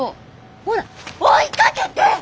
ほら追いかけて！